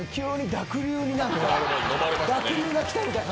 濁流がきたみたいな。